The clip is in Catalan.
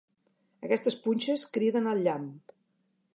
Aquestes punxes criden el llamp.